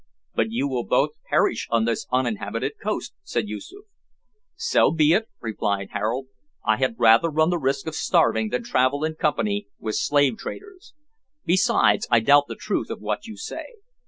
"But you will both perish on this uninhabited coast," said Yoosoof. "So be it," replied Harold; "I had rather run the risk of starving than travel in company with slave traders. Besides, I doubt the truth of what you say.